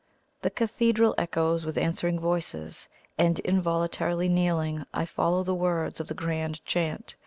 The cathedral echoes with answering voices; and, involuntarily kneeling, I follow the words of the grand chant.